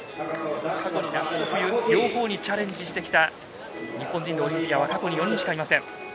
過去に夏と冬両方にチャレンジしてきた日本人のオリンピアンは過去に４人しかいません。